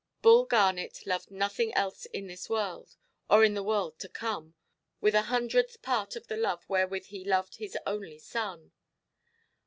Bull Garnet loved nothing else in this world, or in the world to come, with a hundredth part of the love wherewith he loved his only son.